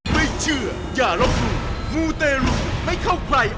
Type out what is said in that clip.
มูนัย